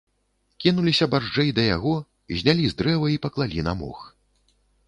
Кінуліся барзджэй да яго, знялі з дрэва і паклалі на мох.